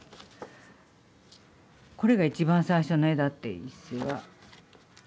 これが一番最初の絵だって一成は。